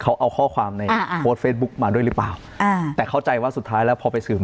เขาเอาข้อความในอ่าโพสต์เฟซบุ๊กมาด้วยหรือเปล่าอ่าแต่เข้าใจว่าสุดท้ายแล้วพอไปสืบ